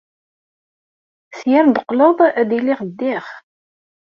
Seg-a ar d-teqqleḍ, ad iliɣ ddiɣ.